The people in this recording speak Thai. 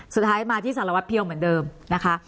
สุดท้ายมาที่สารวัตรเพียวเหมือนเดิมนะคะ